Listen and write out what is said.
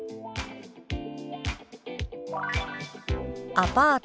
「アパート」。